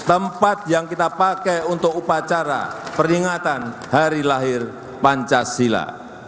tempat yang kita pakai untuk upacara peringatan hari lahir pancasila